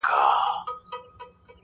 دا خو ده خو کله کله بیا حمزه بابا